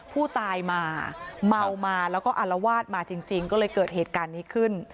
ผู้ตายมาเมามาแล้วก็อารวาสมาจริงก็เลยเกิดเหตุการณ์นี้ขึ้น